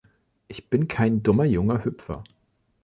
Ich bin kein dummer junger Hüpfer.